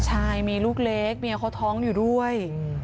ใช่มีลูกเล็กเมียเขาท้องอยู่ด้วย